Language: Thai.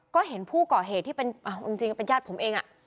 ก็เห็นผู้ก่อเหตุที่เป็นจริงก็เป็นญาติผมเอง